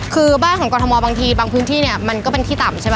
คือบ้านของกรทมบางทีบางพื้นที่เนี่ยมันก็เป็นที่ต่ำใช่ไหม